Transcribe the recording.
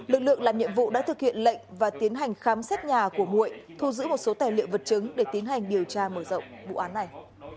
lực lượng làm nhiệm vụ đã thực hiện lệnh và tiến hành khám xét nhà của mụi thu giữ một số tài liệu vật chứng để tiến hành điều tra mở rộng vụ án này